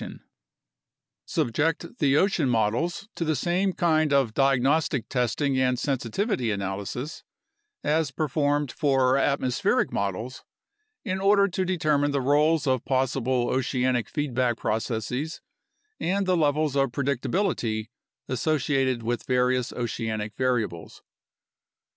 84 UNDERSTANDING CLIMATIC CHANGE Subject the ocean models to the same kind of diagnostic testing and sensitivity analysis as performed for atmospheric models, in order to determine the roles of possible oceanic feedback processes and the levels of predictability associated with various oceanic variables.